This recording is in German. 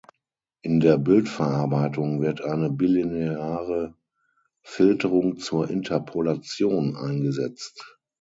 In der Bildverarbeitung wird eine bilineare Filterung zur Interpolation eingesetzt.